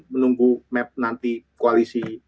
menunggu map nanti koalisi